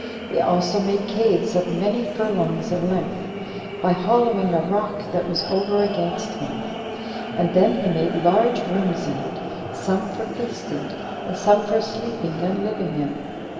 He also made caves of many furlongs in length, by hollowing a rock that was over against him; and then he made large rooms in it, some for feasting, and some for sleeping and living in.